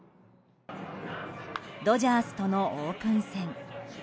ドジャースとのオープン戦。